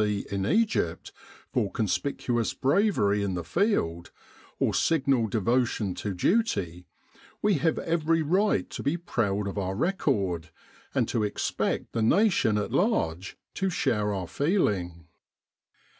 C in Egypt, for conspicuous bravery in the Field, or signal devotion to duty, we have every right to be proud of our record, and to expect the nation at large to share our feeling.